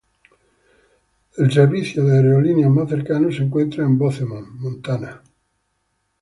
El servicio de aerolíneas más cercano se encuentra en Bozeman, Montana.